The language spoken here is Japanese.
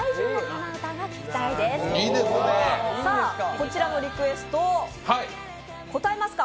こちらのリクエスト応えますか？